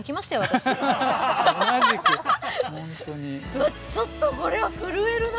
うわっちょっとこれは震えるな。